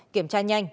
kiểm tra nhanh